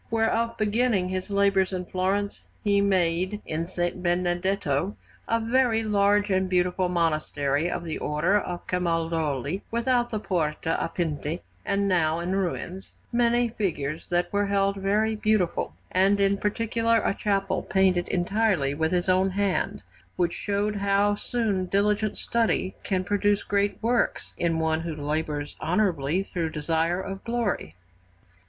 Wherefore, beginning his labours in Florence, he made in S. Benedetto (a very large and beautiful monastery of the Order of Camaldoli, without the Porta a Pinti, and now in ruins) many figures that were held very beautiful, and in particular a chapel painted entirely with his own hand, which showed how soon diligent study can produce great works in one who labours honourably through desire of glory.